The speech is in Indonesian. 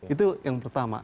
itu yang pertama